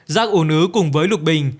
rác ủ nứ cùng với lục bình